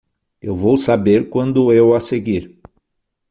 Eu vou saber quando eu a seguir.